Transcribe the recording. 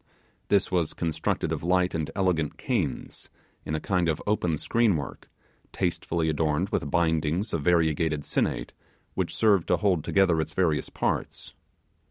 This was constructed of light and elegant canes in a kind of open screenwork, tastefully adorned with bindings of variegated sinnate, which served to hold together its various parts.